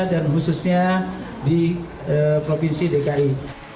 dan khususnya di provinsi dki